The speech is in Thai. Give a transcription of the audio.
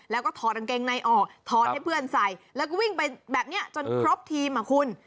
แล้วก็ถอดกางเกงในออกถอดให้เพื่อนใส่แล้วก็วิ่งไปแบบนี้จนครบทีมอ่ะคุณ